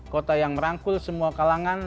kota yang merangkul semua kalangan